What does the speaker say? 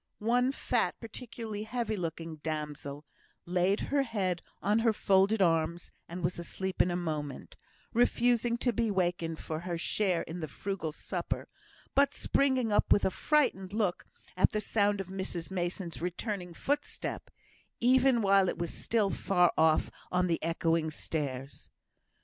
One fat, particularly heavy looking damsel laid her head on her folded arms and was asleep in a moment; refusing to be wakened for her share in the frugal supper, but springing up with a frightened look at the sound of Mrs Mason's returning footstep, even while it was still far off on the echoing stairs.